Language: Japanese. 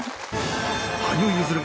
羽生結弦